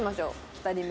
２人目。